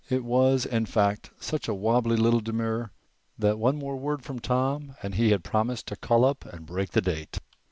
It was, in fact, such a wobbly little demur that one more word from Tom and he had promised to call up and break the date.